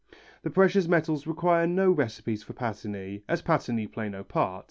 The precious metals require no recipe for patinæ, as patinæ play no part.